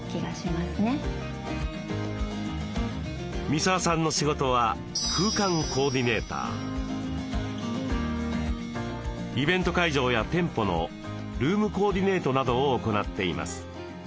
三沢さんの仕事はイベント会場や店舗のルームコーディネートなどを行っています。